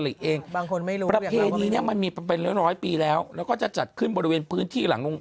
ตลอดทั้งวันในวันนี้ด้วยเหมือนกัน